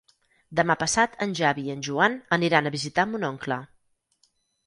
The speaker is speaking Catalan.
Demà passat en Xavi i en Joan aniran a visitar mon oncle.